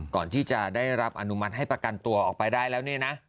ก่อนที่จะได้รับอนุมัติให้ประกันตัวออกไปได้แล้วเนี่ยนะ